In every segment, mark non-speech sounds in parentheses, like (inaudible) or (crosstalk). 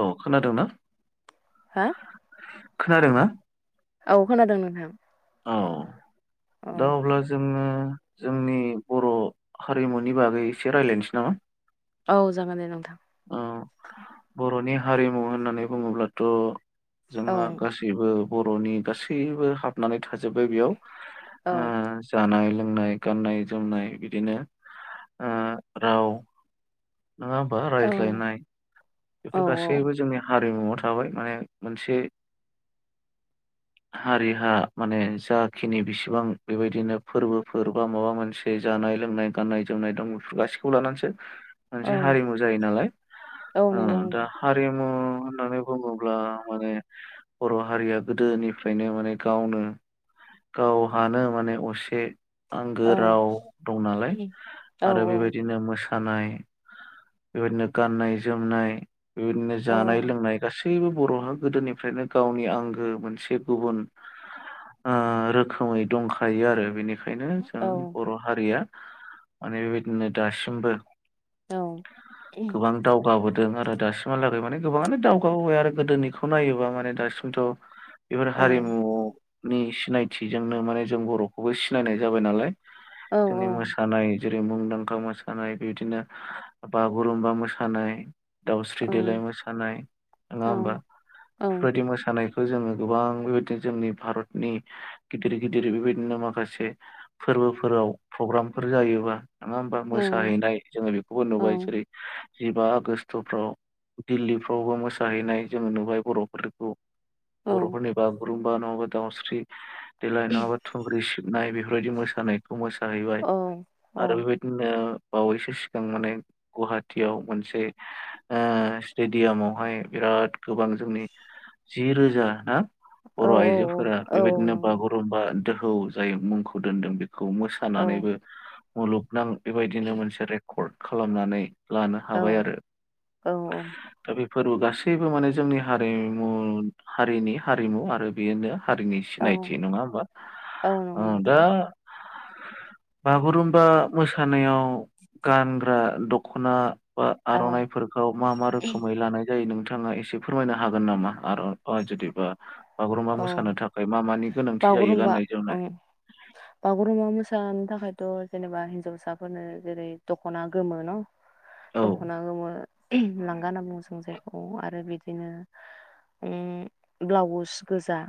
औ खोनादोंना हा खोनादोंना औ खोनादों नोंथां औ औ दा अब्ला जोङो जोंनि बर' हारिमुनि बागै एसे रायज्लायनोसै नामा औ जागोन दे नोंथां ओ बर'नि हारिमु होननानै बुङोब्लाथ' औ जोंहा गासैबो बर'नि गासैबो हाबनानै थाजोब्बाय बेयाव औ जानाय लोंनाय नाय गाननाय जोमनाय बिदिनो राव नङा होनबा औ रायज्लायनाय औ बेफोर गासैबो जोंनि हारिमुआव थाबाय माने मोनसे हारिहा माने जाखिनि बेसेबां बेबायदिनो फोरबोफोर बा माबा मोनसे जा- जानाय लोंनाय गाननाय जोमनाय दं बेफोर गासिखौ लानानैसो औ मोनसे हारिमु जायो नालाय औ नंगौ दा नोंथां हारिमु होननानै बुङोब्ला माने बर' हारिया गोदोनिफ्रायनो माने गावनो गावहानो माने असे आंगो औ राव दं नालाय औ आरो बेबायदिनो मो नाय बेबायदिनो गाननाय जोमनाय बेबायदिनो जानाय लोंनाय गासिबो गासैबो बर'हा गोदोनिफ्रायनो गावनि आंगो मोनसे गुबुन रोखोमै दंखायो आरो बेनिखायनो बेखायनो जों औ बर' हारिया माने बेबायदिनो दासिमबो गोबां दावगाबोदों आरो दासिमहालागै माने गोबाङानो दावगाबोबाय आरो गोदोनिखौ नायोबा माने दासिमथ' बेफोर हारिमुनि सिनायथिजोंनो माने जों बर'खौबो सिनायनाय जाबाय नालाय जोंनि मोसानाय जेरै मुंदांखा मोसानाय बिदिनो बागुरुम्बा मोसानाय मोसानाय दावस्रि देलाय मोसानाय नङा होमबा बेफोरबायदि मोसानायखौ खौ जोङो गोबां बेबायदिनो जोंनि भारतनि गिदिर गिदिर बेबायदिनो माखासे फोर- फोरबोफोराव प्रग्रामफोर जायोबा नोङा होमबा मोसाहैनाय जोङो बेखौबो नुबाय जेरै जिबा आगष्टफ्राव दिल्लीफ्रावबो मोसाहैनाय जोङो नुबाय बरफोरखौ बर फोरनि बागुरुम्बा नङाबा दाउस्रि देलाय नङाबा थुंग्रि सिब नाय बेफोरबायदि मोसानायखौ मोसाहैबाय औ आरो बेबायदिनो बावैसो सिगां माने गुवाहाट थियाव मोनसे ओ स्टेडियामावहाय बिराद गोबां जोंनि जि रोजा ना? बर औ आइजोफोरा औ बेबायदिनो नंगौ बागुरुम्बा दोहौ जाय मुंखौ दोनदों बेख खौ औ औ मोसानानैबो मुलुगनां बेबायदिनो मोनसे रेकर्ड खालामनानै लानो औ हाबाय आरो दा बे फोरबो गासैबो माने जोंनि हारिमु हारिनि हारिमु आरो बेयो दा हारिनि औ सिनायथि नङा होमबा औ नंगौ ओ नोंथां दा बागुरुमबा मोसानायाव गानग्रा दखना बा औ आरनाइफोरखौ मा मा रोखोमै लानाय जायो नोंथाङा एसे फोरमायनो हागोन नामा आर बा जुदिबा बागुरुम्बा औ मोसानो थाखाय मा मानि गोनांथि जायो बागुरुम्बा गाननाय ओं जोमनाय बागुरुम्बा मोसानो थाखायथ' जेनेबा हिनजावसाफोरनो जेरै दख'ना गोमो न। औ दख'ना गोमो लांगा होनना बुङो (unintelligible) औ आरो बिदिनो उम ब्लाउस गोजा।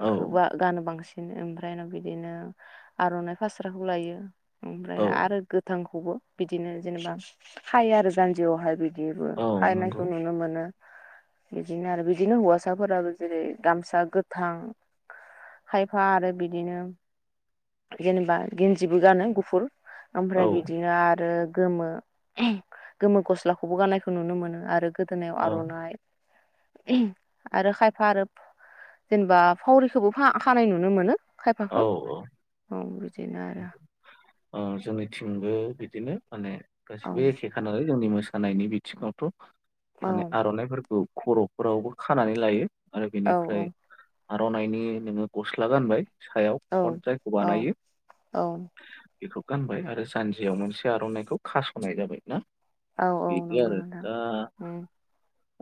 औ खोबा गानो बांसिन ओमफ्राय बिदिनो आर'नाइ फास्राखौ लायो। ओमफ्राय औ आरो गोथांखौबो बिदिनो जेनेबा खायो आरो जान्जियावहाय बि बिबो औ हायनायखौ नंगौ नुनो मोनो बिदिनो आरो बिदिनो हौवासा साफोराबो जेरै गामसा गोथां खायफा आरो बिदिनो जेनेबा गेन्जिबो गानो गुफुर। औ ओमफ्राय बिदिनो आरो गोमो गोमो गस्लाखौबो गाननायखौ नुनो मोनो आरो गोदोनायाव औ आर'नाइ। (unintelligible) आरो खायफा आरो जेनेबा फावरिखौबो बा खानाय नुनो मोनो। औ खायफाखौ औ औ बिदिनो आरो ओ जोंनिथिंबो बिदिनो माने औ गासिबो एखे खा नालाय जोंनि मोसा खानायनि बिथिङावथ' औ माने आर'नाइफोरखौ खर'फोरावबो खानानै लायो। आरो औ बेनिफ्राय आर'नाइनि नोङो गस्ला गानबाय। सायाव औ कट जायखौ औ बानायो औ बेखौ गानबाय आरो जानजियाव मोनसे आर'नाइखौ खास'नाय जाबाय। ना औ औ बिदि नंगौ आरो नोंथां दा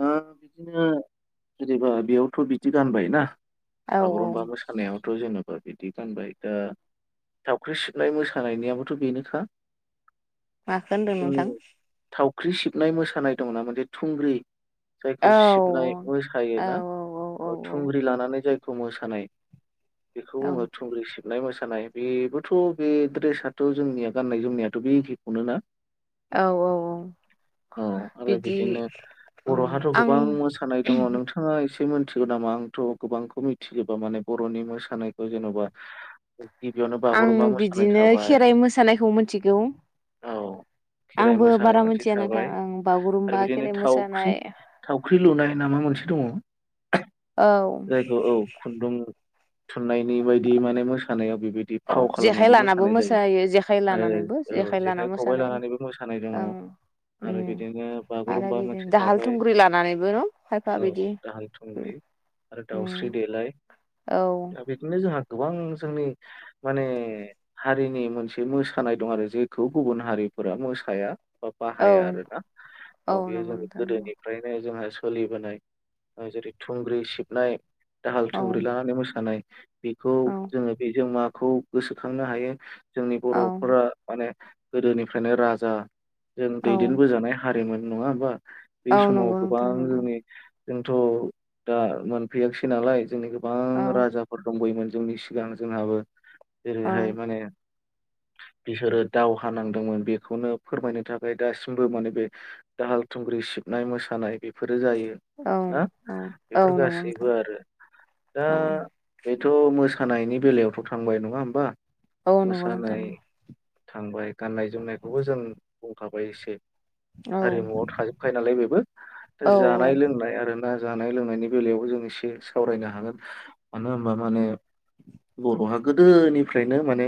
ओ बिदिनो जेनेबा बेयावथ' बिदि गानबाय ना। औ औ बागुरुम्बा मोसानायावथ' जेने बिदि गानबाय दा थावख्रि सिबनाय मोसानायनियाबोथ' बेनोखा। माखो होनदों नोंथां? ख्रि सिबनाय मोसानाय दंना मोनसे थुंग्रि औ जायखौ सिबनाय औ मोसायोना औ औ थुंग्रि लानानै मोसानाय बेखौ औ बुङो थुंग्रि सिबनाय मोसा मोसानाय बेबोथ' बे दड्रेसाथ' जोंनिया गाननाय जोमनायाथ' बे एखेखौनो ना। औ औ औ औ आरो बिदि बिदिनो बर'हाथ' गोबां आं मोसानाय दङ नोंथाङा एसे मोन मिथिगौ नामा आंथ' गोबांखौ मिथिजोबा माने बर'नि मोसानायखौ जेन'बा। गिबियावनो बागुरुम्बा आं मोसानाय बिदिनो थाबाय खेराइ मोसानायखौ मिथिगौ औ खेराइ आंबो मोसानाय बारा मोनसे मिथिया नोंथां थाबाय आं बागुरुम्बा आरो बिदिनो खेराइ थावख्रि मोसानाय थावख्रि लुनाय नामा मोनसे दङ। औ जायखौ औ खुन्दुं थुननायनि बायदि माने मोसानायाव बेबायदि औ फाव जेखाइ खालामनानै लानाबो मोसानाय जायो मोसायो जेखाइ लानानैबो आरो औ लाना जेखाइ खबाइ मोसानाय लानानैबो मोसानाय दङ। औ ओं आरो उम बिदिनो आरो बागुरुम्बा बिदिनो मोनसे दाहाल थाबाय थुंग्रि लानानैबो न खायफा औ बिदि दाहाल थुंग्रि आरो उम दाउस्रि देलाय। औ दा बिदिनो जोंहा गोबां जोंनि माने हारिनि मोनसे मोसानाय दं आरो जेखौ गुबुन हारिफोरा मोसाया। बा औ बाहाया आरो ना औ बेयो नंगौ जों नोंथां नंगौ गोदोनिफ्रायनो जोंहा सोलिबोनाय जेरै थुंग्रि सिबनाय दाहाल औ थुंग्रि लानानै मोसानाय। बेखौ औ जोङो बेजों माखौ गोसोखांनो हायो जोंनि बर'फोरा माने गोदोनिफ्रायनो राजा जों औ दैदेनबोजानाय हारिमोन नङा होमबा? बे औ समाव नंगौ गोबां नोंथां नंगौ जोंनि जोंथ' दा मोनफैयाखिसै नालाय जोंनि गोबां औ राज दंबोयोमोन जोंनि सिगां जोंहाबो औ जेरैहाय माने बिसोरो दावहा नांदोंमोन बेखौनो फोरमायनो थाखाय दासिमबो माने बे दाहाल थुंग्रि सिबनाय मोसानाय बेफोर जायो औ ना औ औ बेफोर नंगौ गासैबो नोंथां आरो दा औ बेथ मोसानायनि बेलायावथ थांबाय नङा होमबा? औ नंगौ नोंथां मोसानाय औ। थांबाय गाननाय जोमनायखौबो जों बुंखाबाय एसे। औ हारिमुआव थाजोबखायो नालाय बेबो दा औ जानाय लोंनाय आरोना जानाय लोंनायनि बेलायावबो जों एसे सावरायनो हागोन मानो होनबा माने बर‌ हा गोदोनिफ्रायनो माने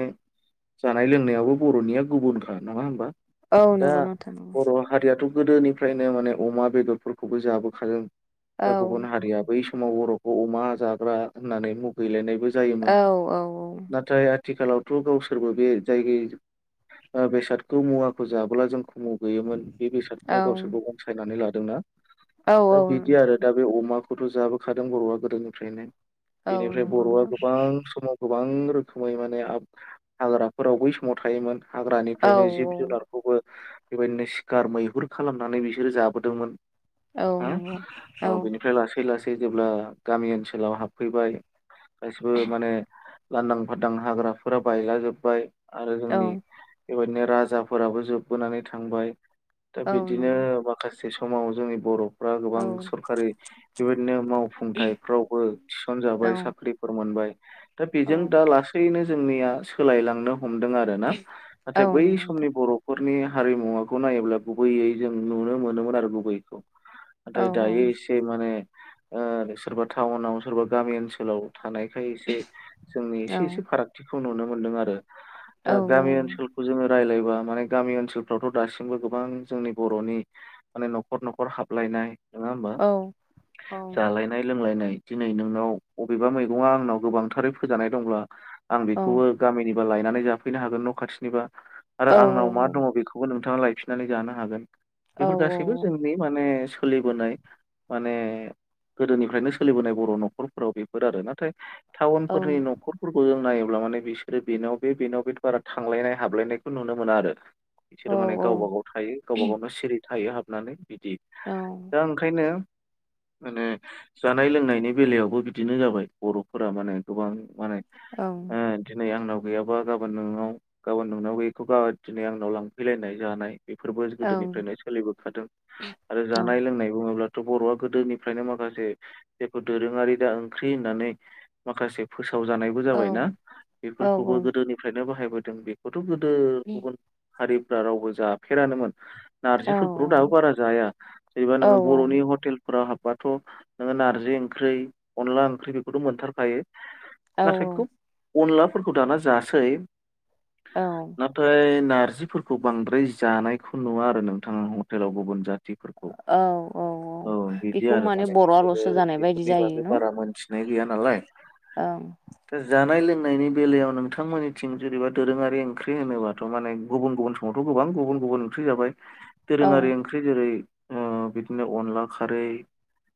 जानाय लोंनायावबो बरनिया गुबुनखा नङा होमबा? औ दा नंगौ नोंथां नंगौ बर हारियाथ गोदोनिफ्रायनो माने अमा बेदरफोरखौबो जाबोखादों औ दा गुबुन हारिया बै स समाव बरखौ अमा जाग्रा होननानै मुगैलायनायबो जायोमोन औ औ नाथाय आ थिखालावथ गावसोरबो बे जायगाय ओ बेसादखौ मुवाखौ जाब्ला जोंख मुगैयोमोन बे बेसादखौनो गावसोरबो अनसायनानै लादोंना? औ दा औ बिदि आरो दा बे अमाखौथ जाबोखादों बरआ गोदोनिफ्रायनो। औ बेनिफ्राय नंगौ बरआ नोंथां गोबां समाव गोब गोबां रोखोमै माने आब हाग्राफोराव बै समाव थायोमोन औ हाग्रानिफ्रायनो जिब जुनारखौबो बेबायदिनो सिखार मैहुर खालामनानै बिसोरो जाबोदोंमोन। औ हो नंगौ औ बेनिफ्राय लासै लास जेब्ला गामि ओनसोलाव हाबफैबाय गासिबो माने लांदां फादां हाग्राफोरा बायला जोबबाय आरो औ जोंनि बेबायदिनो राजाफोराबो जोबबोनानै थांबाय दा औ बिदिनो नंगौ माखासे से समाव जोंनि बरफ्रा औ गोबां सरखारि बेबायदिनो मावफुंथायफ्रावबो थिसन औ जाबाय साख्रिफोर मोनबाय दा औ बेजों दा लासैनो जोंनिया सोलायलांनो हमदों आरोना औ नाथाय बै नंगौ समनि नोंथां बरफोर नि हारिमुवाखौ नायोब्ला गुबैयै जों नुनो मोनोमोन आरो गुबैखौ। औ नाथाय दायो एसे माने ओ सोरबा टाउनाव सोरबा गामि ओनसोलाव थानायखाय एसे जोंनि औ एसे एसे फारागथिखौ नुनो मोनदों आरो। दा औ औ गामि ओनसोलखौ जोङो रायलायबा माने गामि ओनसोलफ्रावथ दासिमबो गोबां जोंनि बरनि माने नखर नखर हाबलायनाय नङा होमबा औ जालायनाय लोंलायनाय दिनै नोंनाव अबेबा मैगङा आंनाव गोबांथारै फोजानाय दंब्ला आं बेखौबो गामिनि बा लायनानै जाफैनो हागोन न खाथिनिबा आरो आंनाव मा दङ बेखौबो नों थाङा लायफिननानै जानो हागोन बेफोर गासैबो जोंनि माने सोलिबोनाय माने गोदोनिफ्रायनो सोलिबोनाय बर' न'खरफोराव बेफोर आरो नाथाय टाउन फोरनि न'खरफोरखौ जों नायो अब्ला माने बिसोरो बेनाव बे बेनाव बे बारा थांलायनाय हाबलायनायखौ नुनो मोना आरो। बिसोरो माने गावबा गाव थायो गावबा गावनो सिरि थायो हाबनानै बिदि। दा ओंखायनो माने जानाय लोंनायनि बेलायावबो बिदिनो जाबाय बर'फोरा माने गोबां माने ओ दिनै आंनाव गैयाबा गाबोन नोंनाव गाबोन नोंनाव गैखौ दिनै आंनाव लांफैलायनाय जानाय बेफोरबो गोदोनिफ्रायनो सोलिबोखादों आरो जानाय लोंनाय बुङोब्ला थ' बर'आ गोदोनिफ्रायनो माखासे जायखौ दोरोङारि दा ओंख्रि होननानै माखासे फोस फोसाव जानायबो जाबायना बेफोरखौबो गोदोनिफ्रायनो बाहायबोदों बेखौथ' गोदो गुबुन हारिफ्रा रावबो जाफेरानोमोन नार्जिफोरखौथ' दाबो बारा जाया जेनेबा नोङो बर'नि हटेलफोराव हाबबाथ' नोङो नारजि ओंख्रै अनला ओंख्रि बेखौथ' मोनथारखायो औ नाथाय खुब अनलाफोरखौ दाना जासै औ औ नाथाय नार नारजिफोरखौ बांद्राय जानायखौ नुवा आरो नोंथां हटेलाव गुबुन जा फोरखौ औ औ औ बिदि आरो माने बिसोरो बेस्थ' जानाय बायदि बेफोरनि जायो बागै न'। बारा मोनथिनाय गैया नालाय ओं दा जानाय लोंनाय। बेलायाव नोंथांमोननिथिं जेनेबा दोरोङारि ओंख्रि होनोबाथ' माने गुबुन गुबुन समावथ' गोबां गुबुन गुबन गुबुन ओंख्रि जाबाय औ दोरोङारि ओंख्रि जेरै बिदिनो अनला खारै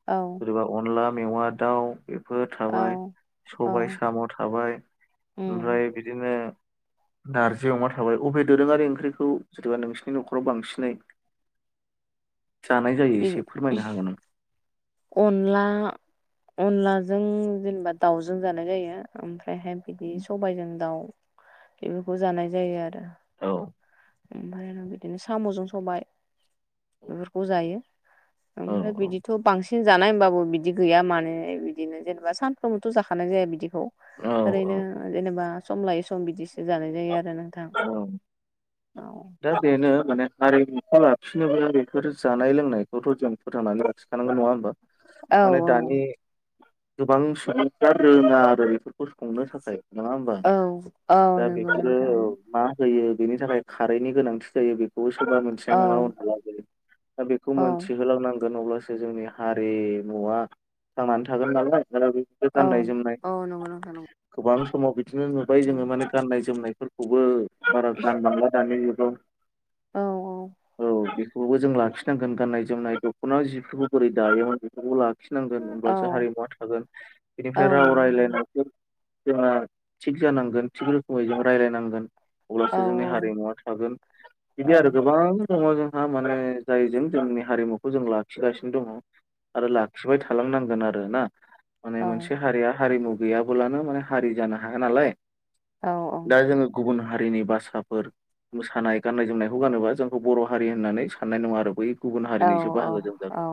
औ सोरबा अनला मेवा दाउ। बेफोर थाबाय औ सबाय औ साम' थाबाय उम ओमफ्राय बिदिनो। नारजि अमा थाबाय अबे दोरोङारि ओंख्रिखौ जेनेबा नोंसिनि न'खराव बांसिनै जानाय जायो बि एसे फोरमायनो हागोन आं। अनला अनलाजों जेनेबा दाउजों जानाय जायो आमफ्राय। ओमफ्रायहाय बिदि सबायजों दाउ बेफोरखौ जानाय जायो आरो। औ। ओमफ्राय बिदिनो साम'जों सबाय बेफोरखौ जायो। औ ओमफ्राय बिदिथ' बांसिन। बांसिन जानाय होमबाबो बिदि गैया मानो बिदिनो जेनेबा सानफ्रोमबोथ' जाखानाय जाया बिदि। औ ओरैनो जेनेबा सम लायै सम बिदिसो जानाय जायो आरो। नोंथां। औ औ औ दा बेनो। माने हारिमुखौ लाखिनोबो बेफोर जानाय लोंनायखौथ' जों फोथांनानै लाखिखानांगौ नङा होमबा। औ माने औ दानि। गोबां सुबुंथिया रोङा आरो बेफोरखौ संनो थाखाय। नङा होनबा औ औ दा नंगौ बेखौनो नोंथां होयो बेनि थाखाय खारैनि गोनांथि जायो औ बे (inaudible) औ अब्लासो जोंनि हारिमुआ थांनानै थागोन नालाय। आरो बे औ गाननाय जोमनाय औ नंगौ नोंथां नंगौ गोबां समाव बिदिनो नुबाय जोङो माने गान्नाय जोमनायफोरखौबो बारा गानबांला दानि जुगाव। औ औ। बेखौबो जों लाखिनांगोन गान्नाय जोमनाय दख'ना जिफोरखौ बोरै दायोमोन बेखौफोरखौबो। लाखिनांगोन औ होमब्लासो हारिमुवा थागोन औ बेनिफ्राय राव नंगौ नोंथां रायलायनाय। जोंहा थिग जानांगोन थिग रोखोमै जों रायलायनांगोन। औ अब्लासो जोंनि हारिमुवा थागोन औ बिदि आरो गोबां दङ जोंहा माने जायजों जोंनि हारिमुखौ जों लाखिगासिनो दङ। आरो लाखिबाय थालांनांगोन आरोना। औ माने मोनसे हारिया हारिमु गैयाबोलानो माने हारि जानो हाया नालाय। औ औ। दा जोङो गुबुन हारिनि भाषसाफोर। मोसानाय गाननाय जोमनायखौ गानोबा जोंखौ बर' हारि होननानै साननाय नङा आरो बै। गुबुन हारिनिसो बाहागो जों औ औ जागोन।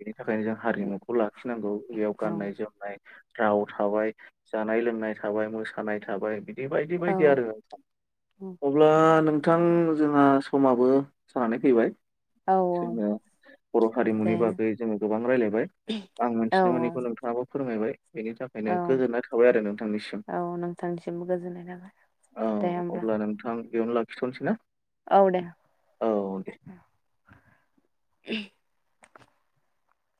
बेनि थाखायनो जों हारिमुखौ लाखिनांगौ बेयाव गाननाय जोमनाय राव थाबाय जानाय लोंनाय थाबाय मोसानाय थाबाय बिदि बायदि बाय आरो औ अब्ला नोंथां जोंहा समाबो जानानै फैबाय। औ औ। जोङो बर' हारिमुनि दे बागै जोङो गोबां रायलायबाय आं औ मोनथिनो औ मोनैखौ नोंथाङाबो फोरमायबाय। बेनि थाखायनो औ गोजोननाय थाबाय आरो नोंथांनिसिम। औ नोंथांनिसिमबो गोजोननाय थाबाय औ दे होमब्ला अब्ला नोंथां बेयावनो लाखिथ'नोसैना। औ दे।